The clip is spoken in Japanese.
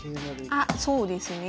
あっそうですね。